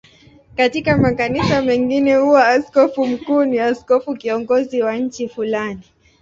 Katika makanisa mengine huwa askofu mkuu ni askofu kiongozi wa nchi fulani.